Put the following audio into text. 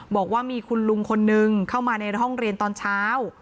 บอกว่ามีคุณลุงคนนึงเข้ามาในห้องเรียนตอนเช้า